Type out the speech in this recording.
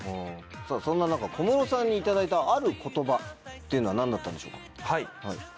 さぁそんな中小室さんに頂いたある言葉っていうのは何だったんでしょうか？